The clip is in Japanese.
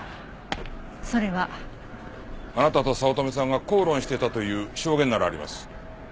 それは。あなたと早乙女さんが口論していたという証言ならあります。